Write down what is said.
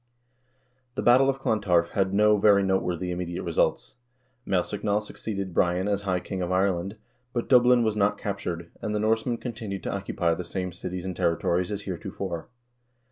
The battle of Clontarf had no very noteworthy immediate results. Maelsechnaill succeeded Brian as high king of Ireland, but Dublin was not captured, and the Norsemen continued to occupy the same cities and territories as heretofore.